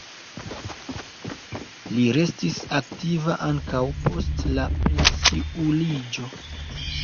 Li restis aktiva ankaŭ post la pensiuliĝo.